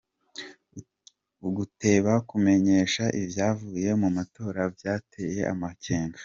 Uguteba kumenyesha ivyavuye mu matora vyateye amakenga.